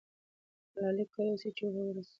ملالۍ کولای سي چې اوبه ورسوي.